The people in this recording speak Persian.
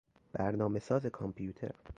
برنامه ساز کامپیوتر